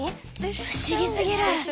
不思議すぎる。